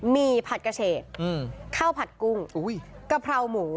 มีผัดกระเฉดข้าวผัดกุ้งกะเพราหมู